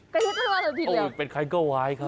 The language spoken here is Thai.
กะเท็จกระทะวันมันผิดเลยเป็นใคร้ก็ว้ายครับ